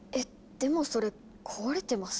でもそれ壊れてますよ。